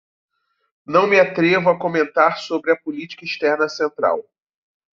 Não me atrevo a comentar sobre a política externa central